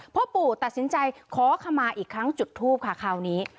พ่อปู่ตัดสินใจขอขมาอีกครั้งจุดทูปค่ะคราวนี้